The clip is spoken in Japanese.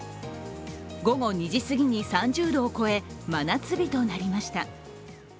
午後２時すぎに３０度を超え、真夏日となりました。